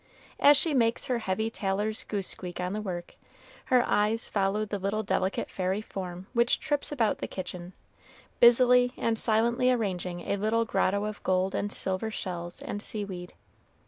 As she makes her heavy tailor's goose squeak on the work, her eyes follow the little delicate fairy form which trips about the kitchen, busily and silently arranging a little grotto of gold and silver shells and seaweed.